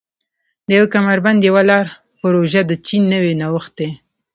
د یو کمربند یوه لار پروژه د چین نوی نوښت دی.